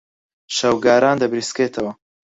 شەوگاران دەبریسکێتەوە.